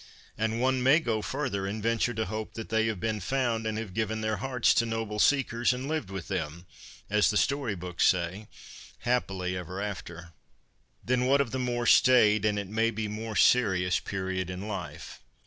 And one may go further and PERSONALITIES IN ' BOOKLAND ' 67 venture to hope that they have been found and have given their hearts to noble seekers, and lived with them, as the story books say, ' happily ever after.' Then what of the more staid, and, it may be, more serious, period in life?